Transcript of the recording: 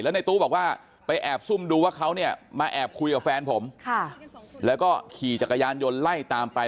ในตู้บอกว่าไปแอบซุ่มดูว่าเขาเนี่ยมาแอบคุยกับแฟนผมแล้วก็ขี่จักรยานยนต์ไล่ตามไป